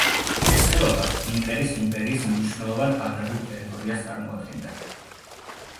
ეს ხეობა ინკების იმპერიის მნიშვნელოვან აგრარულ ტერიტორიას წარმოადგენდა.